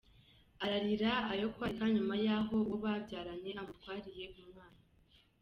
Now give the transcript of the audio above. Ararira ayo kwarika nyuma y’aho uwo babyaranye amutwariye umwana